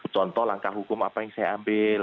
contoh langkah hukum apa yang saya ambil